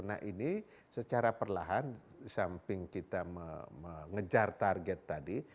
nah ini secara perlahan samping kita mengejar target tadi